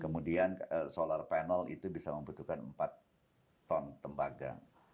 kemudian solar panel itu bisa membutuhkan empat ton tembaga